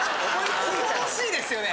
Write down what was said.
恐ろしいですよね。